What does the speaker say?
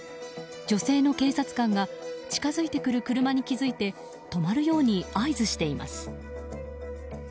女性の警察官が近づいてくる車に気づいて止まるように合図しています。